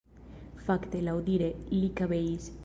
Fakte, laŭdire, li kabeis.